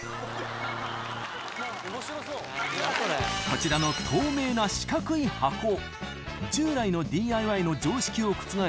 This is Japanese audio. こちらの透明な四角い箱従来のＤＩＹの常識を覆す